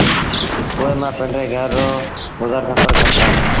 اُئي مآݩ پنڊري گھر رو گزر سڦر ڪرتآ